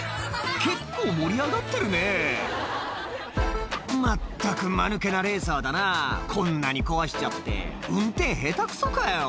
結構盛り上がってるね「まったくマヌケなレーサーだなこんなに壊しちゃって」「運転下手クソかよ」